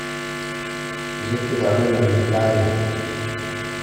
Zeitik ah rian naa dinh lai?